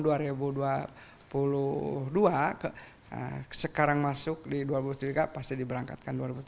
dan jemaah yang berjumlah kuota haji yang tahun dua ribu dua puluh dua sekarang masuk di dua ribu dua puluh tiga pasti diberangkatkan